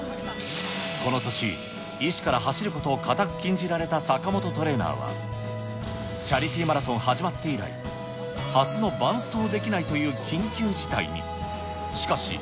この年、医師から走ることを固く禁じられた坂本トレーナーは、チャリティーマラソン始まって以来、初の伴走できないという緊急事態に。